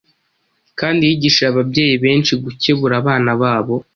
kandi yigishije ababyeyi benshi gukebura abana babo.